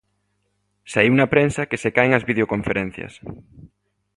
Saíu na prensa que se caen as videoconferencias.